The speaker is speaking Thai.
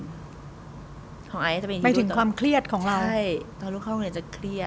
แสรุว่ามีความเชื่อดของเรา